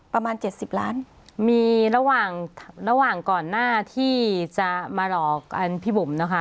ประมาณเจ็ดสิบล้านมีระหว่างระหว่างก่อนหน้าที่จะมาหลอกกันพี่บุ๋มนะคะ